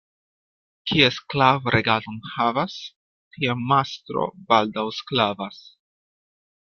Kie sklav' regadon havas, tie mastro baldaŭ sklavas.